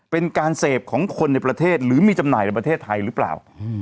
เป็นการเสพของคนในประเทศหรือมีจำหน่ายในประเทศไทยหรือเปล่า